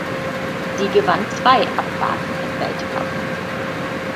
Sie gewann zwei Abfahrten im Weltcup.